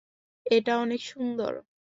এটা অনেক সুন্দর।